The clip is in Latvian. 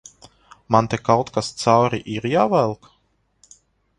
Man te kaut kas cauri ir jāvelk?